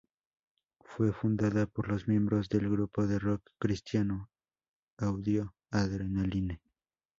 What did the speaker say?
Fue fundada por los miembros del grupo de rock cristiano Audio Adrenaline.